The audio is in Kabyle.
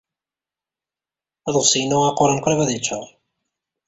Aḍebsi-inu aquran qrib ad yeččaṛ.